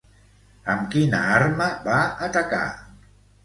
Amb quina arma va atacar?